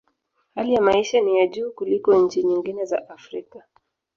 Hali ya maisha ni ya juu kuliko nchi nyingi za Afrika.